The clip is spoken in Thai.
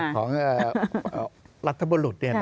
ของฤรัตนมรุทย์